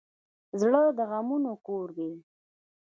زړه د غمونو کور دی.